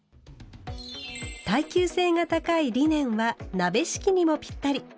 耐久性が高いリネンは「鍋敷き」にもぴったり。